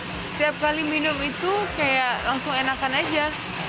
setiap kali minum itu kayak langsung enakan aja